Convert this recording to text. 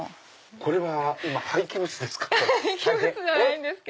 これは廃棄物ですか？